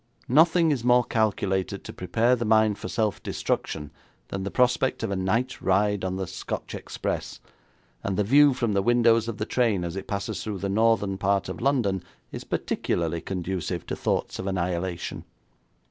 Nothing is more calculated to prepare the mind for self destruction than the prospect of a night ride on the Scotch express, and the view from the windows of the train as it passes through the northern part of London is particularly conducive to thoughts of annihilation.'